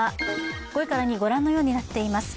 ５位から２位はご覧のようになっています。